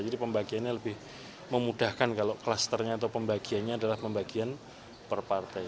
jadi pembagiannya lebih memudahkan kalau klusternya atau pembagiannya adalah pembagian per partai